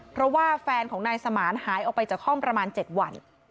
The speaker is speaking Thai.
เพราะว่าแฟนของนายสมานหายออกไปจากห้องประมาณ๗วัน